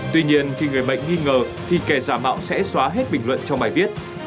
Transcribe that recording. tuy nhiên khi người bệnh nghi ngờ thì kẻ giả mạo sẽ xóa hết bình luận trong bài viết